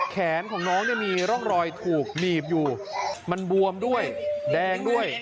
แขนของน้องเนี่ยมีร่องรอยถูกหนีบอยู่มันบวมด้วยแดงด้วย